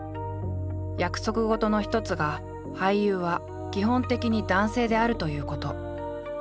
約束事の一つが俳優は基本的に男性であるということ。